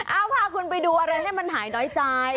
เอาพาคุณไปดูอะไรให้มันหายน้อยใจ